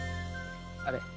あれ。